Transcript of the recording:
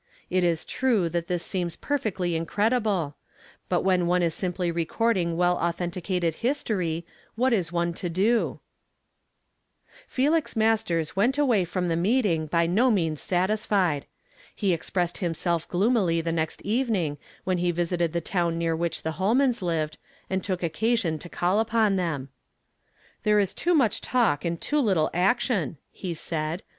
It is true that this seems perfectly incredible ; but when one is simply recording well authenticated history, what is one to do ?" Felix Masters went away from the meeting by no means satisfied. He expressed himself gloomily the next evening when he visited the town near which the Holmans lived, and took occasion to call upon them. " There is too much talk and too little action," he said.